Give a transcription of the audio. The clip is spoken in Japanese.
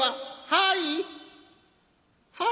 はい。